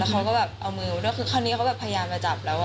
แล้วเขาก็แบบเอามือมาด้วยคือครั้งนี้เขาแบบพยายามมาจับแล้วอ่ะ